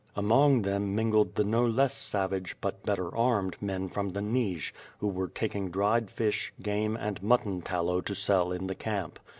Among them mingled the no less savage, but better armed men from the Nij, who were taking dried fish, game, and mutton tal low to sell in the camp.